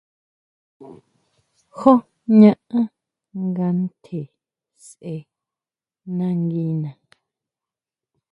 ¿Jú ñaʼán nga ntje sʼe nanguiná?